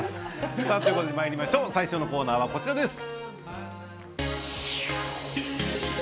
最初のコーナーはこちらです。